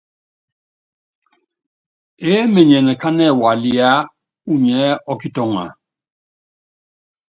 Eé menyen kánɛ waliá unyi ɛ ɔ́kitɔŋa?